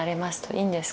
「いいんですか」